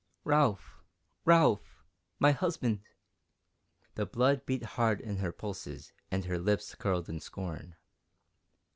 "Ralph! Ralph! My husband!" The blood beat hard in her pulses and her lips curled in scorn.